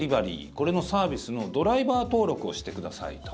これのサービスのドライバー登録をしてくださいと。